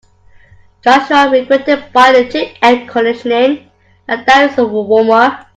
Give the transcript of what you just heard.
Joshua regretted buying a cheap air conditioner now that it was warmer.